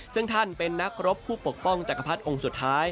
ซึ่งท่านเป็นนักรบผู้ปกป้องจักรพรรดิองค์สุดท้าย